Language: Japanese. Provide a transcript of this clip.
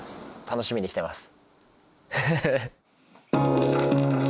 楽しみにしてます。